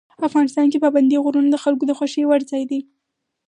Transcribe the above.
افغانستان کې پابندی غرونه د خلکو د خوښې وړ ځای دی.